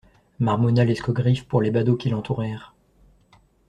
Marmonna l'escogriffe pour les badauds qui l'entourèrent.